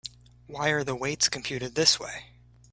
Why are the weights computed this way?